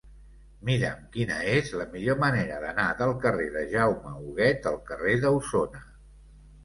Mira'm quina és la millor manera d'anar del carrer de Jaume Huguet al carrer d'Ausona.